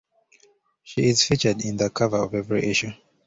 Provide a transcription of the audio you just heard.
She is featured in the cover of every issue.